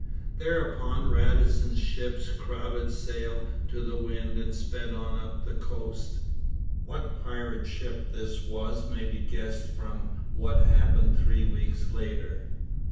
Thereupon Radisson's ships crowded sail to the wind and sped on up the coast. What pirate ship this was may be guessed from what happened three weeks later.